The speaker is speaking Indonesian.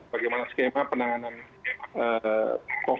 bagaimana skema penanganan covid sembilan belas